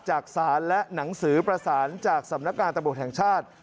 จากศาลและหนังสือประสานจากสำนักการตำรวจแห่งชาติ